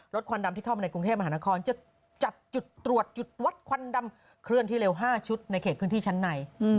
ควันดำที่เข้ามาในกรุงเทพมหานครจะจัดจุดตรวจจุดวัดควันดำเคลื่อนที่เร็ว๕ชุดในเขตพื้นที่ชั้นใน